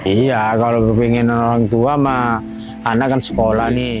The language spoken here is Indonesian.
iya kalau kepingin orang tua mah anak kan sekolah nih